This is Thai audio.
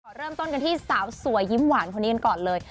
เริ่มต้นกันที่สาวสวยยิ้มหวานคนนี้กันก่อนเลย